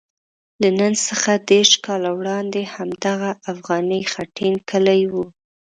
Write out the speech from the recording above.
له نن څخه دېرش کاله وړاندې همدغه افغاني خټین کلی وو.